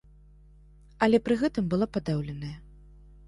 Але пры гэтым была падаўленая.